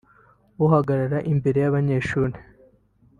uhagarara imbere y’abanyeshuri”